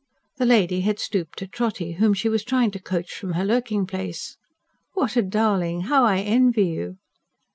The lady had stooped to Trotty, whom she was trying to coax from her lurking place. "What a darling! How I envy you!"